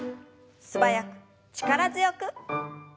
素早く力強く。